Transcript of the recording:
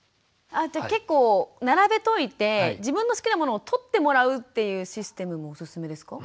あじゃあ結構並べといて自分の好きなものを取ってもらうっていうシステムもおすすめですか？